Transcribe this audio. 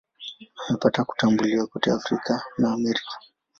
Amepata kutambuliwa kote Afrika na Amerika.